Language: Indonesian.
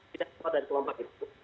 tidak keluar dari kelompok itu